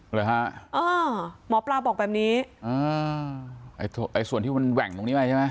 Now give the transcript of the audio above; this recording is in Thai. เหรอฮะอ่าหมอปลาบอกแบบนี้อ่าไอ้ส่วนที่มันแหว่งตรงนี้ไปใช่ไหม